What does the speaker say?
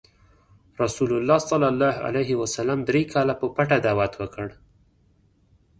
رسول الله ﷺ دری کاله په پټه دعوت وکړ.